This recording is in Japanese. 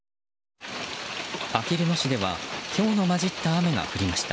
あきる野市ではひょうの交じった雨が降りました。